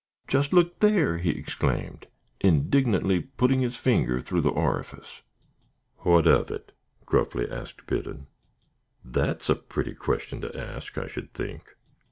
"Just look there!" he exclaimed, indignantly, putting his finger through the orifice. "What of it?" gruffly asked Biddon. "That's a pretty question to ask, I should think!